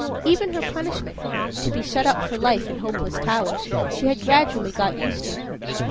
Even her punishment to be shut up for life in Hopeless Tower she had gradually got used to.